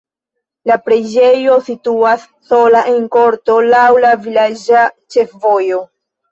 La preĝejo situas sola en korto laŭ la vilaĝa ĉefvojo.